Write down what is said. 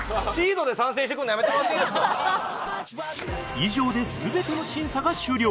以上で全ての審査が終了